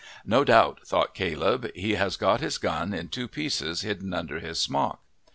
No doubt, thought Caleb, he has got his gun in two pieces hidden under his smock.